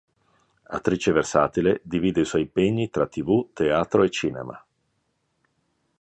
Attrice versatile, divide i suoi impegni tra tv, teatro e cinema.